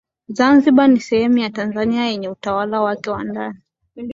Zanzibar ni sehemu ya Tanzania yenye utawala wake wa ndani